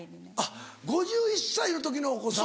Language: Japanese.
５１歳の時のお子さん。